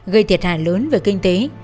gây thiệt hại lớn về kinh tế